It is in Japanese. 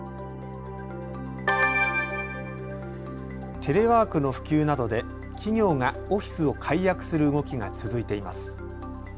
テレワークの普及などで企業がオフィスを解約する動きが続いています。